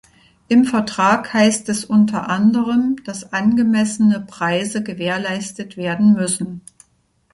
Im Vertrag heißt es unter anderem, dass angemessene Preise gewährleistet werden müssen.